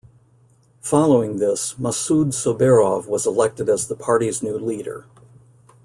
Following this, Masud Sobirov was elected as the party's new leader.